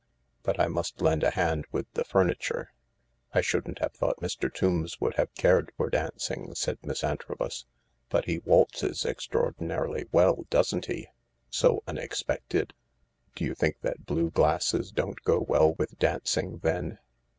But I must lend a hand with the furniture." " I shouldn't have thought Mr. Tombs would have cared for dancing," said Miss Antrobus, "but he waltzes extra ordinarily well, doesn't he ? So unexpected." " Do you thmk that blue glasses don't go well with danc ing then?